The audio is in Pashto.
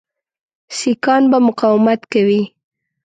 سیکهان به مقاومت کوي.